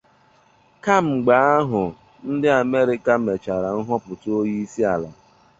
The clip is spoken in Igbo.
Kamgbe ahụ ndị Amerịka mechara nhọpụta onye isi ala